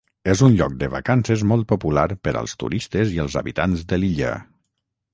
És un lloc de vacances molt popular per als turistes i els habitants de l'illa.